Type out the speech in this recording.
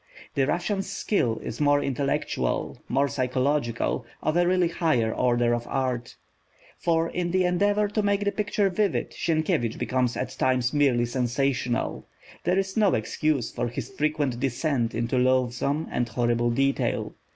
The Russian's skill is more intellectual, more psychological, of a really higher order of art. For in the endeavour to make the picture vivid, Sienkiewicz becomes at times merely sensational. There is no excuse for his frequent descent into loathsome and horrible detail.